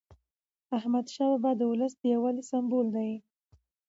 احمدشاه بابا د ولس د یووالي سمبول دی.